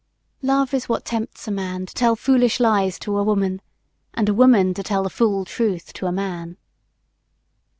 Love is what tempts a man to tell foolish lies to a woman and a woman to tell the fool truth to a man.